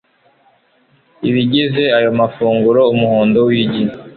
ibigize ayo mafunguro Umuhondo wigi